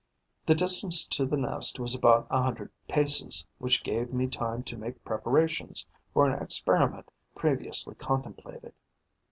The distance to the nest was about a hundred paces, which gave me time to make preparations for an experiment previously contemplated.